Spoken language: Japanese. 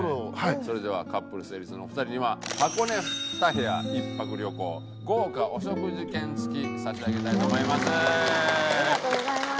それではカップル成立のお二人には箱根２部屋１泊旅行豪華お食事券付き差し上げたいと思います。